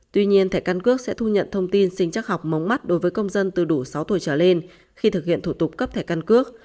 tuy nhiên thẻ căn cước sẽ thu nhận thông tin sinh chắc học mống mắt đối với công dân từ đủ sáu tuổi trở lên khi thực hiện thủ tục cấp thẻ căn cước